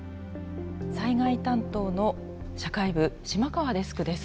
災害担当の社会部島川デスクです。